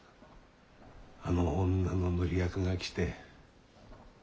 あの女の乗り役が来て。